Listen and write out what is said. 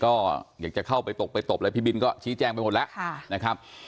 ก็อยากจะเข้าไปตกไปตกแล้วพี่บินก็ชี้แจ้งไปหมดแล้ว